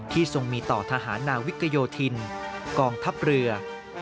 ทรงมีต่อทหารนาวิกโยธินกองทัพเรือ